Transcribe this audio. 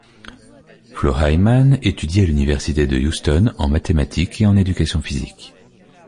Flo Hyman étudie à l'université de Houston en mathématiques et en éducation physique.